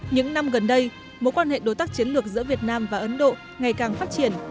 những năm gần đây mối quan hệ đối tác chiến lược giữa việt nam và ấn độ ngày càng phát triển